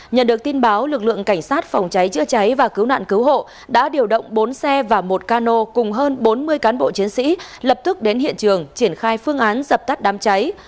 nhận được tin báo lực lượng cảnh sát phòng cháy chữa cháy và cứu nạn cứu hộ đã điều động bốn xe và một cano cùng hơn bốn mươi cán bộ chiến sĩ lập tức đến hiện trường triển khai phương án dập tắt đám cháy